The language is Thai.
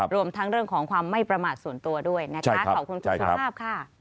รวมทั้งเรื่องของความไม่ประมาทส่วนตัวด้วยขอบคุณครับ